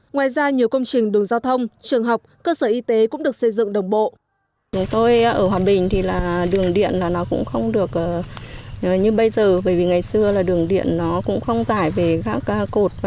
ngoài ra nhiều công trình đường giao thông trường học cơ sở y tế cũng được xây dựng đồng bộ